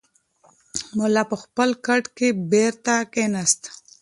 ملا په خپل کټ کې بېرته کښېناست.